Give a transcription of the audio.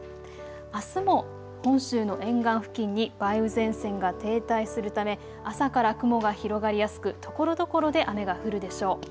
あすも本州の沿岸付近に梅雨前線が停滞するため朝から雲が広がりやすくところどころで雨が降るでしょう。